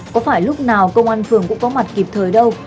có phải lúc nào công an phường cũng có mặt kịp thời đâu